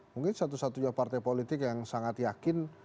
mungkin satu satunya partai politik yang sangat yakin